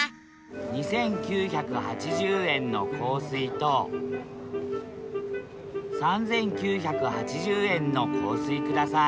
２，９８０円の香水と３，９８０円の香水ください